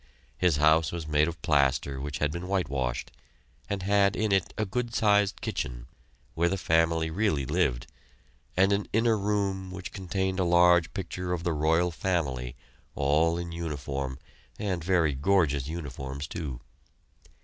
His house was made of plaster which had been whitewashed, and had in it a good sized kitchen, where the family really lived, and an inner room which contained a large picture of the Royal Family, all in uniform, and very gorgeous uniforms, too.